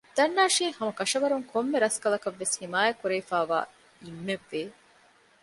ދަންނާށޭ ހަމަކަށަވަރުން ކޮންމެ ރަސްކަލަކަށް ވެސް ޙިމާޔަތް ކުރެވިފައިވާ އިމެއް ވޭ